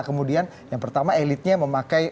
kemudian yang pertama elitnya memakai